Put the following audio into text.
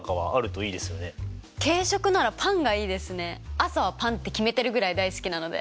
朝はパンって決めてるぐらい大好きなので。